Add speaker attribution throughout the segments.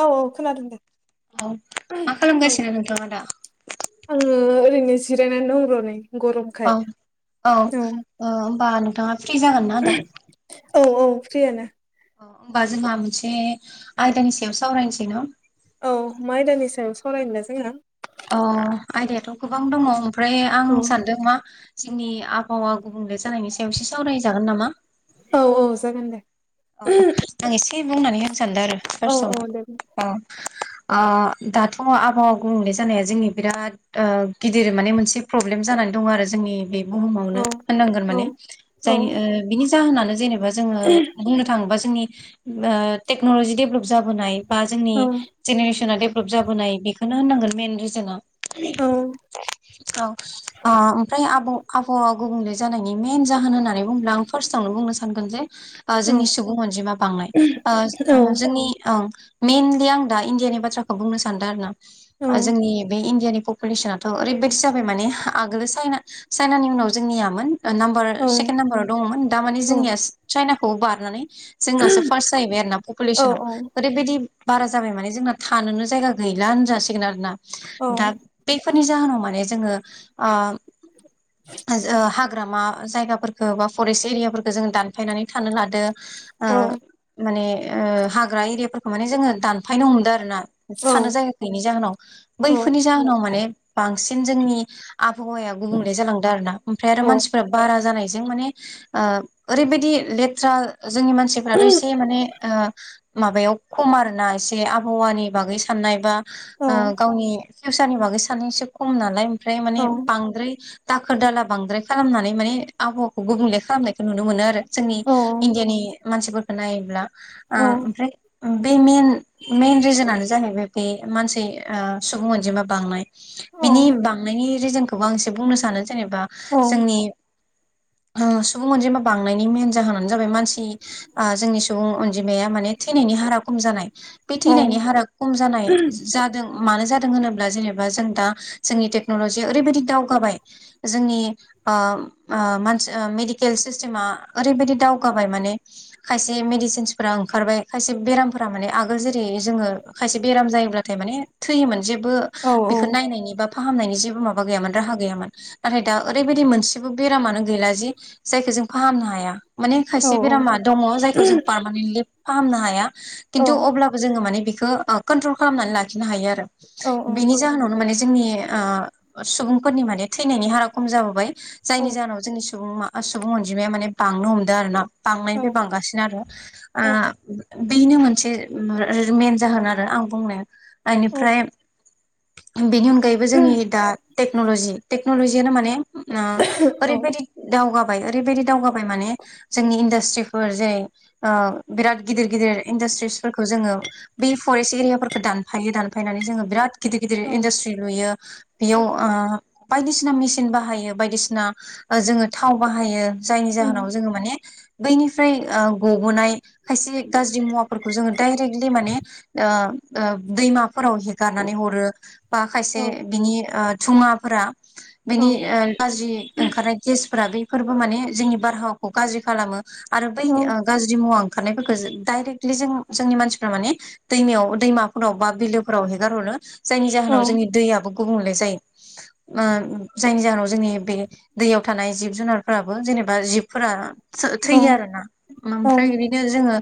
Speaker 1: औ औ खोनादों दे।
Speaker 2: औ मा
Speaker 1: औ
Speaker 2: खालामगासिनो नोंथाङा दा
Speaker 1: आङो ओरैनो जिरायना दङ र' नै ।
Speaker 2: औ औ ओ होमबा नोंथाङा फ्रि जागोनना दा?
Speaker 1: औ औ फ्रियानो।
Speaker 2: होनबा जोंहा मोनसे आयदानि सायाव सावरायनोसै न'
Speaker 1: औ मा आयदानि सायाव सावरायनो दा जोङो?
Speaker 2: अ आयदायाथ' गोबां दङ ओमफ्राय आं
Speaker 1: औ
Speaker 2: सानदों मा जोंनि आबहावा गुबुंले जानायनि सायाव एसे सावराय जागोन नामा?
Speaker 1: औ औ जागोन दे।
Speaker 2: औ आं एसे बुंनानै होनो सानदों आरो
Speaker 1: औ औ
Speaker 2: फार्सआवनो
Speaker 1: दे।
Speaker 2: औ । ओ दाथ' आबहावा गुबुंले जानाया जोंनि बिराद ओ गिदिर माने मोनसे प्रब्लेम जानाय दं आरो जोंनि बे
Speaker 1: औ
Speaker 2: बुहुमावनो होननांगोन
Speaker 1: औ
Speaker 2: माने
Speaker 1: औ
Speaker 2: जायनि ओ बिनि जाहोनानो जेनेबा जोङो थांबा जोंनि ओ टेक्न'लजि डेभलब जाबोनाय बा जोंनि
Speaker 1: औ
Speaker 2: जेनेरेसना डेभ लब जाबोनाय बेखौनो होनांगोन मेेन रिजना।
Speaker 1: औ
Speaker 2: औ ओ ओमफ्राय आब' आब' गुबुंले जानायनि मेन जाहोन होननानै बुंब्ला आं फार्स्ट आावनो बुंनो सानगोन जे
Speaker 1: औ
Speaker 2: जोंनि सुबुं अनजिमा बांनाय जोंनि मैइनलि आं दा इण्डियानि बाथ्राखौ बुंनो सानदों आरो ना
Speaker 1: औ
Speaker 2: जोंनि बे इण्डियानि पपुलेसनाथ' ओरैबायदि जाबाय माने आगोल चना चाइनानि उनाव जोंनियामोन नाम्बार सेकेणड नाम्बाराव दङमोन दाामाने
Speaker 1: औ
Speaker 2: जोंनिया चाइनाखौ बारनानै जोंनासो फार्स्ट जाहैबाय आरोोना
Speaker 1: औ
Speaker 2: पपुलेसनाव
Speaker 1: औ
Speaker 2: ओरैबायाददि बारा जाबाय माने जोंना थानोनो जायगा गैलाानो जासिगोन आरोना दा बे बेफोरनि जोनाव माने जोङो ओ हाग्रामा जायगाफोरफोरखौ बा फरेस्ट एरियाफोरखौो जोङ दानफायनानै थानो लादो माने हाग्रा एरियाफोरखौ माने जोङो दानफायनो हमदों आरो ना थानो जायाखैनि जाहोनाव बैफोरनि जाहोनाव माने बांसिन जोंनि आबहावाया गुबुंले जालांदों आरो ना ओमफ्राय आरो मानसिफोरा बारा जानाय जदों माने ओ ओरैबायदि लेथ्रा जोंनि मानसिफोराथह' एसे माने ओ माबायाव खम आरोना एसे आबहावानि बागै साननाय बा गावनि फिउसारनि बागै सानो एसे खम नालाय ओमफ्राय माने बांद्राय दाखोर दाला बांद्राय खालामनानै मानि आबहावाखौ गुबुंले खालामनायखौ नुनो मोनो आरो । जोंनि इण्डियानि मानसिफोरखौ नायोब्ला ओमफ्राय बे मइन रिजोनानो जाहैबाय बे मानसि सुबुं अनजिमा बांनाय बिनि बांनायनि रिजोनखौबो आं एसे बुंनो सानो जेनेबा जोंनि सुबुं अनजिमा बांनायनि मेेन जाहोनानो जाबाय मानसि जोंनि सुबुं अनजिमा मान थैनायनि हारा खम जानाय बे थैनायनि हारा खम जानाय जादों होनोब्ला जेनेबा जों दा जोंनि टेक्न'लजिया ओरैबायदि दावगाबाय जोंनि मानसि मेडिकेल सिस्टेमा ओरैबायाददि दावगाबाय माने खायसे मेडिसिनसफोरा ओंखारबाय खायसे बेरामफोरा माने आगोल जेरै ज खायसे बेाम जायोब्लाथाय मान थैयोन जेबो बेखौ नायनायनि फाहामनायनि जेबो माबा गैयामोन राहा गैयामोन नाथाय दा ओरैबायाददि मोनसेबो बेरामनो गैला जि जाय जों फाहामनो हाया माने खायसे बेरामा दङ जायखौ जों पारमानन्टलि फाहामनो हाया खिन्थु अब्लाबो जोङो माने बेखौ कन्ट्रल खालामनानै लाखिनो हायो आरो
Speaker 1: औ
Speaker 2: ।
Speaker 1: औ
Speaker 2: बेनि जाहोनावनो माने जोंनि सुबुंफोरनि माने थैनायनि हारा खम जाबोबाय ।
Speaker 1: औ
Speaker 2: जायनि जाहोनाव जोंनि सुबुं सुबुं अनजिमाया माने बांनो हमदों आरो ना ।
Speaker 1: औ
Speaker 2: बांनायनिफ्राय बांगासिनो आरो
Speaker 1: औ
Speaker 2: बेनो मोनसे मेन जाहोन आरो आं बुंनाया
Speaker 1: औ औ
Speaker 2: बेनिफ्राय बेनि अनगायैबो जोंनि दा टेक्नलजि टेक्नलजियनो माने ओरैबायाददि दावगाबाय ओरैबायाददि दावगाबाय माने जोंनि इन्डास्ट्रिसफोरजे बिराथ गदिर गिदिर इन्डास्ट्रिसफोरखौ जोङो बे फरेस्ट एरियाफोरखौ दानफायो दानफायनानै जोङो बिराद गिदिर गिदिर
Speaker 1: औ
Speaker 2: इन्डासट्रि लुयो बेयाव बायदिसिना मेसिन बाहायो बायदिसिना जोङो थाव बाहायो जायनि जाहोनाव
Speaker 1: उम
Speaker 2: जोङो माने बैनिफ्राय गबोनाय खायसे गाज्रि मुवाफोरखौ जोङो डाइरेक्टलि माने दैमाफोराव हिगारनानै हरो बा
Speaker 1: औ
Speaker 2: खायसे बिनि थुङाफोरा बेनि
Speaker 1: औ
Speaker 2: गाज्रि ओंखारनाय गेसफोरा बेफोरबो माने जोंनि बारहावाखौ गाज्रि खालामो आरो बै
Speaker 1: औ
Speaker 2: गाज्रि मुवा थानायफोरखौ डायरेक्टलि जों जोंनि मानसिफोरा माने दैमायाव दैमाफोराव बा बिलोफोराव हेगारहरनो जायनि
Speaker 1: औ
Speaker 2: जाहोनाव जोंनि दैआाबो गुबुंले जायो जायनि जाहोनाव जोंनि बे दैयाव थानाय जिब जुनारफोराबो जेनेबा बा जिबफोरा
Speaker 1: औ
Speaker 2: थैयो आरो ना
Speaker 1: औ
Speaker 2: ओमफ्राय बिदिनो जोङो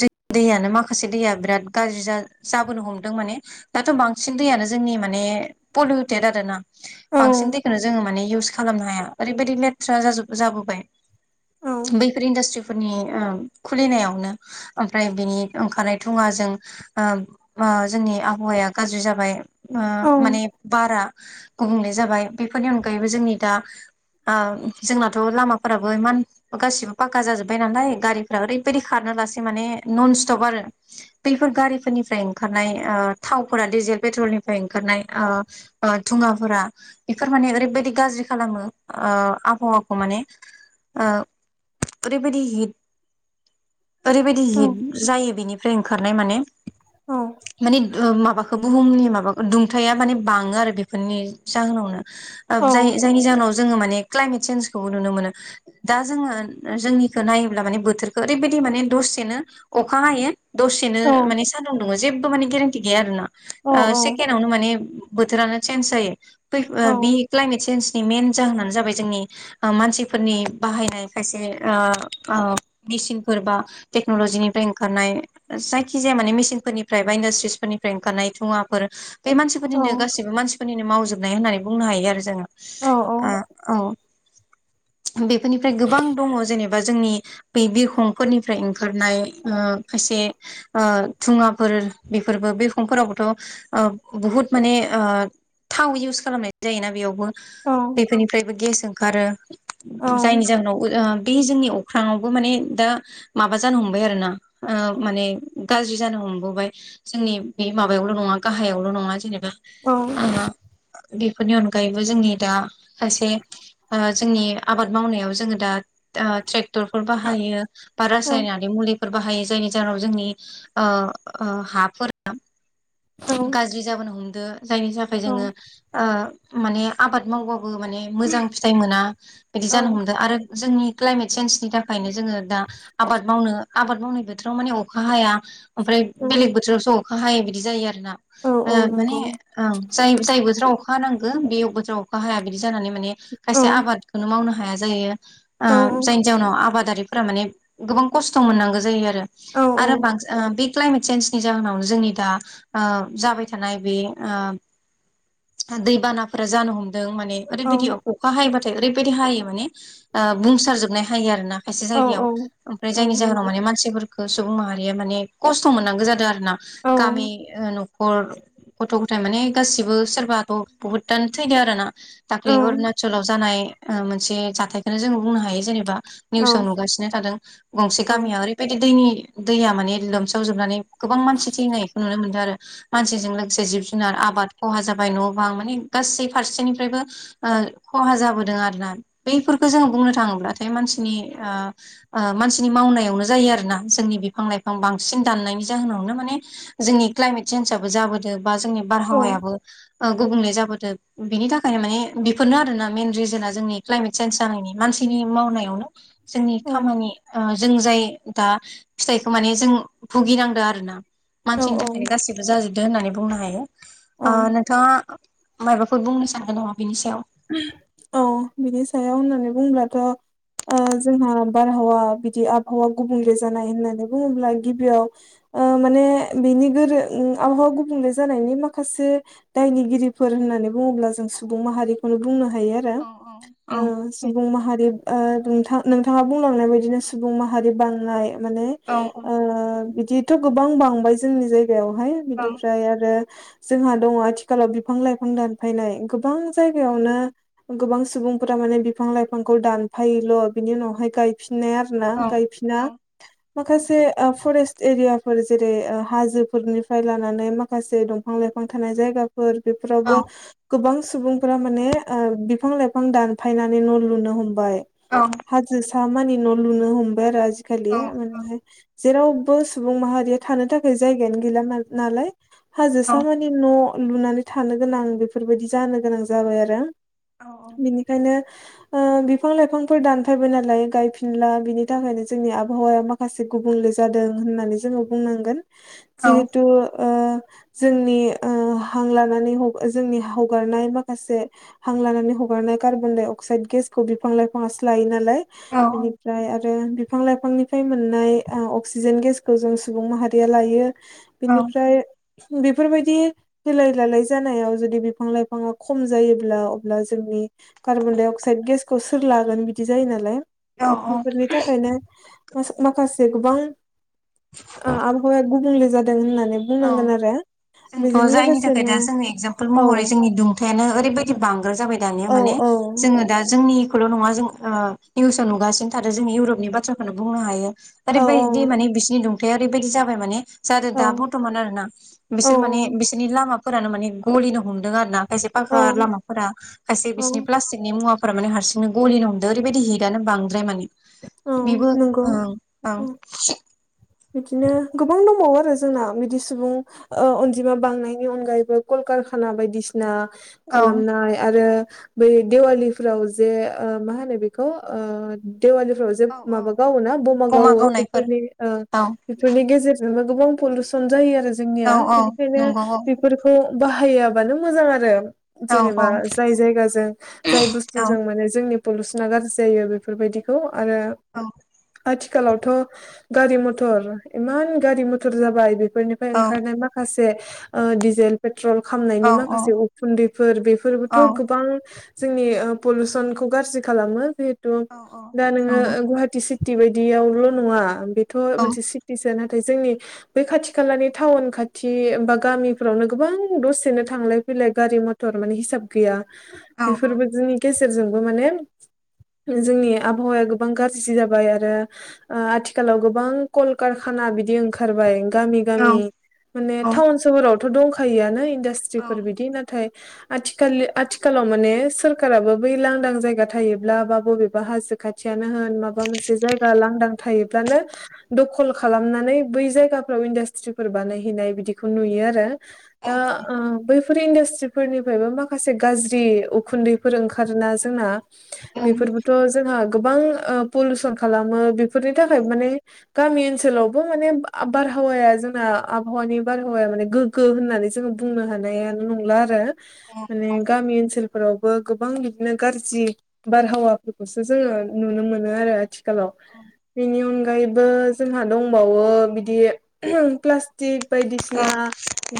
Speaker 2: ज दैयानो माखासे दैया बिराद गाज्रि जाबोनो हमदों माने दाथ' बांसिन दैयानो जोंनि माने पलिउटेद आरो ना
Speaker 1: औ
Speaker 2: बांसिन दैखौननो जोङो माने इउस खालामनो हाया ओरैबायदि लेथ्रा जाजोब जाबोबाय। बैफोर इडासट्रि फोरनि उम खुलिनायावनो ओमफ्राय बिनि ओंखारनाय डुङाजों ओ जोंनि आबहावाया गाज्रि जाबाय ओ माने बारा गुबुंले जाबाय बेफोरनि अनगायैबो जोंनि दा ओ जोंना थ' लामाफोराबो एमान गासिबो फाका जाजोब्बाय नालाय गारि ओरैबायदि खारनो लासै माने न'न स्टप आरो बैफोर गारिफोरनिफ्राय ओंखारनाय ओ थावफोरा डिजेल पेट्रलनिफ्राय ओंखारनाय ओ दुंङाफोरा बेफोर माने ओरैबायाददि गाज्रि खालामो ओ आबहावा खौ माने ओ ओरैबायदि हिट ओरैबायदि
Speaker 1: औ
Speaker 2: हिट जायो बेनिफ्राय ओंखारनाय माने माने माबाखौ बुहुमनि माबा दुंथाया माने बांङो आरो बेफोरनि जाहोनावनो। ओ जाय जायनि जाहोनाव जोङो मान क्लाइमेट सेेन्स खौ नुनो मोनो दा जोङो जोंनिखौ नायोब्ला माने बोथोरखौ ओरैबायदि माने दसेनो अखा हायो दसेनो माने
Speaker 1: औ
Speaker 2: सानदुं दुंङो जेबो माने गेरेन्टि गैया आरोना।
Speaker 1: औ
Speaker 2: ओ सेकेणड आवनो माने बोथोरानो चेन्ज जायो
Speaker 1: औ
Speaker 2: बे क्लाइमेट सेे मेन जाहोनानो जाबाय जोंनि मानसिफोरनि बाहायनाय खायसे ओ ओ मेसिनफोर बा टेक्नलजिनिफ्राय ओंखारनाय जायखि जाया माने मेसिनफोरनिफ्राय बा इन्डासट्रिसफोरनिफ्राय ओंखारनाय दुङाफोर बे मानसिफोरनिनो गासैबो मानसिफोरनिनो मावजोबनाय होननानै बुंनो हायो आरो जोङो ओ औ। बेफोरनिफ्राय गोबां दंङ जेनेबा जोंनि बै बिरखंफोरनिफ्राय ओंखारनाय ओ खायसे ओ धुङाफोर बेफोरबो बिरखंफोरावबोथ' ओ बुहुत माने ओ थाव इउस खालामनाय जायोना बेयावबो। बेफोरनिफ्रायबो गेस ओंखारो जायनि जाहोनाव बे जोंनि अख्रांआवबो माने दा माबा जानो हमबाय आरो ना ओ माने गाज्रि जानो हमबोबाय जोंनि बे माबायावल नङा गाहायावल नङा जेनेबा ओ बेफोरनि अनगायैबो जोंनि दा सासे ओ जोंनि आबाद मावनायाव जोङो दा ट्रेक्टरफोर बाहायो बा रासायनारि मुलिफोर बाहायो जायनि जाहोनाव जोंनि ओ हाफोरा गाज्रि जाबोनो हम दों जायनि थाखाय जोङो ओ माने आबाद मावबाबो माने मोजां फिथाइ मोना। बिदि जानो हमदों आरो जोंनि क्लाइमेट चेन्सनि थाखायनो जोङो दा आबाद मावनो आबाद मावनाय बोथोराव माने अखा हाया ओमफ्राय बेलेग बोथोरावसो अखा हायो बिदि जायो आरो ना
Speaker 1: औ औ
Speaker 2: माने
Speaker 1: नंगौ
Speaker 2: ओ जाय जाय बोथोराव अखा नांगौ बे बोथोराव अखा हाया बिदि जानानै माने
Speaker 1: औ
Speaker 2: खायसे आबादखोनो मावनो हाया‌ जायो ओ
Speaker 1: औ
Speaker 2: जायनि जाउनाव आबादारि फ्रा माने गोबां खस्थ' मोनांगो जायो आरो
Speaker 1: औ
Speaker 2: ओरो बांसिन बि क्लाइमेट चेन्जनि जाहोनावनो जोंनि दा ओ जाबाय थानाय बे ओ दैबानाफोरा जानो हमदों माने ओरैबायदियाव अखा हायोबाथाय ओरैबायदि हायो माने ओ बुंसार जोबनाय हायो आरोना खायसे
Speaker 1: औ
Speaker 2: जायगायाव ओमफ्राय
Speaker 1: औ
Speaker 2: जायनि जाहोनाव
Speaker 1: नंगौ
Speaker 2: माने मानसिफो सुबुं माहारिया माने खस्थ' मोननांगौ जादों आरो ना
Speaker 1: औ
Speaker 2: गामि न'खर गथ' गथाय माने गासिबो सोरबाथ' बहुदानो थैदो आरो ना। दाख्लै
Speaker 1: औ
Speaker 2: अरुणाचलाव जानाय मोनसे जाथायखौनो जोंङो बुंनो हायो जेनेबा। निउसाव नुगासिनो थादों गंसे
Speaker 1: औ
Speaker 2: गामिया ओरैबायदि दैनि दैया माने लोमसाव जोबनानै गोबां मानसि थैनायखौ नुनो मोन्दों आरो मानसिजों लोग गोसे जिब जुनार आबाद खहा जाब जाय न' बां माने गासै फारसेनिफ्रायबो ओ खहा जाबोदों आरो ना बैफोरखौ जोङो बुंनो थाङोब्लाथाय मानसिनि ओ ओ मानसिनि मावनायावनो जायो आरो ना। जोंनि बिफां-लाइफां बांसिन दनायनि जाहोनावनो मान जोंनि क्लइमेट सेन्साबो जाबोदों बा जोंनि बारहावायाबो गुबुंले जाबोदों बिनि थाखायनो माने बेफोरनो आरोना मेन रिजोना जोंनि क्लायमेट चेन्ज जानायनि मानसिनि मावनायावनो जोंनि खामानि ओ जों जाय दा फिथाइखौ माने जों भुगिनांदों आरो ना।
Speaker 1: औ
Speaker 2: मानसिनि थाखायनो गासिबो जाजोबदो होननानै बुंनो हायो
Speaker 1: औ
Speaker 2: ओ नोंथाङा मायबाफोर बुंनो सानगोन नामा बेनि सायाव।
Speaker 1: औ बिनि सायाव होननानै बुंुब्लाथ'। जोंहा बारहावा बिदि आबहावा गुबुंले जानाय होननानै बुङोब्ला गिबियाव। माने बेनि गोरों आबहावा गुबुंले जानायनि माखासे दायनिगिरिफोर। होननानै बुङोब्ला जों सुबुं माहारिखौनो बुंनो हायो आरो
Speaker 2: औ औ
Speaker 1: सुबुं माहारि। नोंथां नोंथाङा बुंलांनाय बायदिनो सुबुं माहारि बांनाय। माने
Speaker 2: औ
Speaker 1: बिदिथ' गोबां बांबाय जोंनि जायगायावहाय
Speaker 2: औ
Speaker 1: बिनिफ्राय आरो। जोंहा दङ आथिखालाव बिफां लाइफां दानफायनाय गोबां
Speaker 2: औ
Speaker 1: जायगायावनो। गोबां सुबुंफोरा माने बिफां लाइफांखौ दानफायोोल' बिनि उनावहाय गायफिन। फनाय आरो ना
Speaker 2: औ
Speaker 1: गायफिना
Speaker 2: औ
Speaker 1: माखासे फरेस्ट। एरियाफोर जेरै हाजोफोरनिफ्राय लानानै माखासे दंफां लाइफां थानाय जायगा। बेफोरावबो गोबां सुबुं। म बिफां लाइफां दानफायनानै न' लुनो हमबाय
Speaker 2: औ औ
Speaker 1: हाजोसा मानि। न' लुनो हमबाय आजखालि माने। जेरावबो सुबुं माहारिया थानो थाखाय जायगायानो गैला नालाय हाजोसामानि न'। लुनानै थानो गोनां बेफोरबायदि जानो गोनां जाबाय आरो बेनिखायनो। बिफां लाइफांफोर दानफायबाय नालाय गायफिनला बिनि थाखायनो जोंनि आबहावाया माखासे। गुबुंले जादों होननानै जोङो बुंनांगोन जिहेथु। जोंनि हां लानानै जोंनि हगारनाय बा। माखासे हां लानानै हगारनाय कार्बन डाइ अक्साइद गेसखौ बिफां लाइफाङस लायो नालाय। बिनिफ्राय आरो। आरो बिफां लाइफांनिफ्राय मोननाय अक्सिजेन गेसखौ जों सुबुं माहारिया लायो। बिनिफ्राय बेफोरबायदि होलाय लालाय जानायाव जुदि बिफां लाइफाङाव। खम जायोब्ला अब्ला जोंनि कार्बन दडाइ अक्साइड गेसखौ सोर लागोन बिदि जायो नालाय।
Speaker 2: औ औ
Speaker 1: बेफोरनि थाखायनो माखासे गोबां। आबहावाया गुबुंले जादों होननानै।
Speaker 2: औ
Speaker 1: बुंनांगोन आरो
Speaker 2: जोंथ'
Speaker 1: बेजों
Speaker 2: जायनि थाखाय
Speaker 1: लोगोसेनो
Speaker 2: दा जोंनि एक्जामपोल
Speaker 1: औ
Speaker 2: महरै जोंनि दथ ओैबाय बांग्रो जाबाय दानिया
Speaker 1: औ
Speaker 2: माने
Speaker 1: औ
Speaker 2: जों दा जों। जोंनिखौल' नङा जों निउसाव नुगासिनो थारो जों इउपनि बाथ्राखौनो बुंनो हायो।
Speaker 1: औ
Speaker 2: ओरैबायदि माने बिसिोरनि दुंथाया ओरैबायदि जाबाय माने जादों
Speaker 1: औ
Speaker 2: दाबो। ना बिसोर माने बिसोरनि लामाफोरानो माने गलिनो हम। आरो ना बेसे
Speaker 1: औ
Speaker 2: फाखा लामा फोरा खायसे बिसनि
Speaker 1: औ
Speaker 2: फलासतीक नि मुआ फोरखौ । मान हारंनो गलिनो हमदों ओरैबायदि हिटआानोांद्रायाने।
Speaker 1: औ
Speaker 2: बेबो
Speaker 1: नंगौ
Speaker 2: ओं औओं।
Speaker 1: औ बिदिनो गोबां दंबावो आरो जोंना बिदि सुबुं अनजिमा बांनायनि अनगायैबो। ककारखाना बायदिसिना
Speaker 2: औ
Speaker 1: खालामनाय आरो। बै दिेवलिफ्राव जे मा होनो बेखौ। देवालिफ्राव जे
Speaker 2: औ औ
Speaker 1: माबा गावोोना बमा गावो बेफोरनि
Speaker 2: औ
Speaker 1: बेफोरनि गेजेरजों म। गोबां पलिउसन जायो आरो
Speaker 2: औ
Speaker 1: जोंनिया
Speaker 2: औ
Speaker 1: बिनिखायनो
Speaker 2: नंगौ औ
Speaker 1: बेफोरखौ। बाहायाबानो मोजां आरो।
Speaker 2: औ
Speaker 1: जेनेबा
Speaker 2: औ
Speaker 1: जाय जायगाजों जाय
Speaker 2: औ
Speaker 1: बुस्थुजों माने जोंनि। पलुसना गाज्रि जायो बेफोरबायदिखौ आरो
Speaker 2: औ
Speaker 1: आथिखालावथ'। गारि मथर इमान गारि मथर जाबाय बेफोरनिफ्राय
Speaker 2: औ
Speaker 1: ओंखारनाय माखासे। डिजेल पेट्रल
Speaker 2: औ
Speaker 1: खामनायनि माखासे उखुन्दैफोर
Speaker 2: औ
Speaker 1: बेफोरबोथ' गोबां। जोंनि पलिुसनखौ गाज्रि खालामो जिहेथु
Speaker 2: औ औ
Speaker 1: दा नोङो
Speaker 2: नंगौ
Speaker 1: गुवटि। सिटि बायदियावल' नङा बेथ'
Speaker 2: औ
Speaker 1: मोनसे सिटिसोन। नाथाय जोंनि बै खाथि खालानि टाउन खाथिा गामिफोरावनो गोबां दसेनो थांलाय फैल। बिलइ गारि मथर माने हिसाब गैया
Speaker 2: औ औ
Speaker 1: बेफोरबायदिनि गेजेरजोंबो माने। जोंनि आबहावाया गोबां गाज्रि जि जाबाय आरो आथिखालाव गोब। गोबां कलकाना बिदि ओंखारबाय गामि
Speaker 2: औ
Speaker 1: गामि माने
Speaker 2: औ
Speaker 1: ाउन सहोराव थ' दंखायोआनो
Speaker 2: औ
Speaker 1: इन्डासट्रिफोर बिदि नाथाय आथिखाल आथिखालाव माने सोरखाराबो बै लांदां जायगा थायोब्ला बा बबेबा हाजो खाथियाव होन मा मोनसे जायगा लांदां थायोब्लानो दखल खालामनानै बै जायगाफोराव इन्डासट्रिफोर बानायहैनाय बिदिखौ नुयो आरो। दा ओ बै बेफोर इन्डासट्रिफोरनिफ्रायबो माखासे गाज्रि उखुन्दैफोर ओंखारोना जोंना बेफोरबोथ' जोंहा गोबां पलिउसन खालामो बेफोरनि थाखाय माने गामि ओनसोलावबो माने बारहावाया जोंना आबहावानि बारहावाया माने गोग्गो होननानै जों बुंनो हानायानो नंला आरो माने गामि ओनसोल फोरावबो गोबां बिदिनो गाज्रि बारहावाफोरखौसो जोङो नुनो मोनो आरो आथिखाल बिनि उन गायैबो जोंहा दंबावो बिदि प्लास्टिक बायदिसिना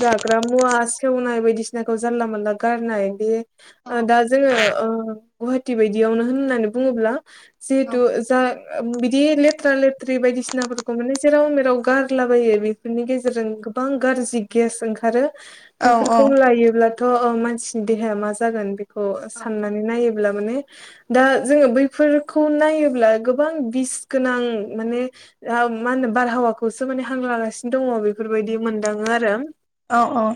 Speaker 1: जाग्रा मुवा सेवनाय बायदिसिनाखौ जानला मोनानला गारनाय बे दा जोङो ओ गुवाहाटि बायदियावनो होननानै बुङोब्ला जिहेतु जा बिदि लेथ्रा ले थ्रि बायदिसिनाफोरखौ माने जेराव मेराव गारलाबायो बेफोरनि गेजेरजों गोबां गाज्रि गेस ओंखारो। बेफोरखौ लायोब्लाथ' मानसिनि देहाया मा जागोन बेखौ साननानै नायो ब्ला माने दा जोङो बैफोरखौ नायोब्ला गोबां बिस गोनां माने मा होनो बारहावाखौसो माने हां लागासिनो दङ बेफोरबायदि मोनदाङो आरो
Speaker 2: अ अ